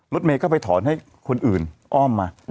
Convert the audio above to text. รถเมย์ก็ไปถอนให้คนอื่นอ้อมมา